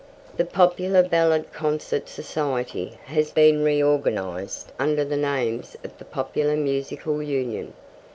The Popular Ballad Concert Society has been reorganised under the name of the Popular Musical Union.